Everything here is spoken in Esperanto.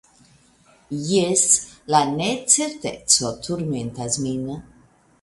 Jes, la necerteco turmentas min.